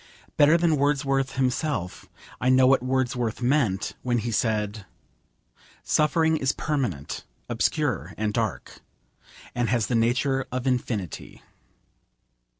Better than Wordsworth himself I know what Wordsworth meant when he said 'Suffering is permanent, obscure, and dark And has the nature of infinity.'